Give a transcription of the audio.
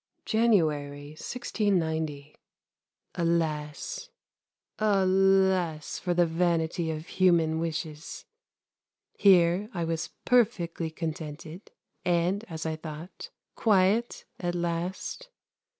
January, 1690. Alas! Alas! for the vanity of human wishes. Here I was perfectly contented, and, as I thought, quiet at last.